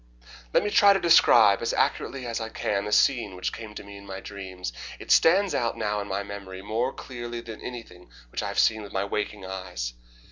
Let me try to describe as accurately as I can the scene which came to me in my dreams. It stands out now in my memory more clearly than anything which I have seen with my waking eyes.